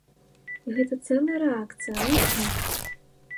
І гэта цэлая рэакцыя, ланцуг.